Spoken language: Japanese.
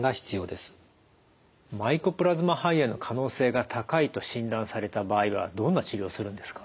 マイコプラズマ肺炎の可能性が高いと診断された場合はどんな治療するんですか？